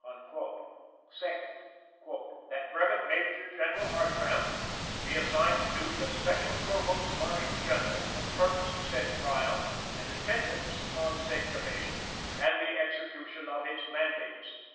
2d, "that Brevet Major General Hartranft be assigned to duty as Special Provost Marshal General for the purpose of said trial and attendance upon said Commission, and the execution of its mandates."